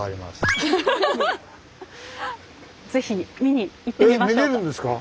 ぜひ見に行ってみましょうか。